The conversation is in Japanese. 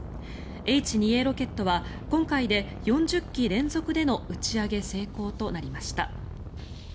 Ｈ２Ａロケットは今回で４０機連続での打ち上げ成功となりました。